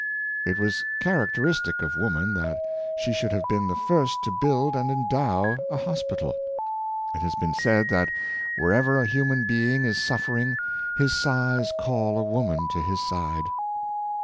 It was characteristic of woman that she should have been the first to build and endow a hospital. It has been said that wherever a human being is suffering his sighs call a woman to his side.